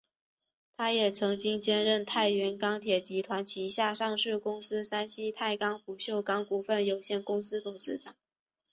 他也曾经兼任太原钢铁集团旗下上市公司山西太钢不锈钢股份有限公司董事长。